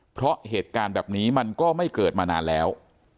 เพราะเหตุการณ์แบบนี้มันก็ไม่เกิดมานานแล้ว